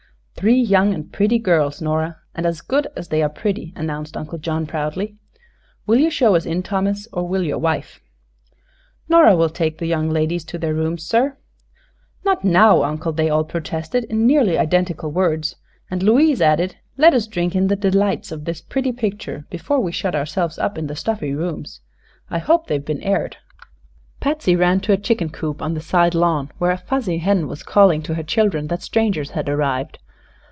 "Three young and pretty girls, Nora; and as good as they are pretty," announced Uncle John, proudly. "Will you show us in, Thomas, or will your wife?" "Nora will take the young ladies to their rooms, sir." "Not now, Uncle!" they all protested, in nearly identical words; and Louise added: "Let us drink in the delights of this pretty picture before we shut ourselves up in the stuffy rooms. I hope they've been aired." Patsy ran to a chicken coop on the side lawn, where a fussy hen was calling to her children that strangers had arrived.